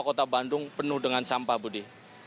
kota bandung penuh dengan sampah budi